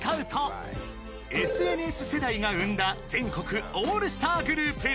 ［ＳＮＳ世代が生んだ全国オールスターグループ］